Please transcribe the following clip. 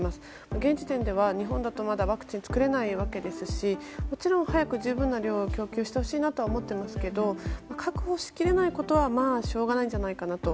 現時点では日本だとまだワクチンを作れないわけですしもちろん早く十分な量を供給してほしいなと思っていますが確保しきれないことは、まあしょうがないんじゃないかなと。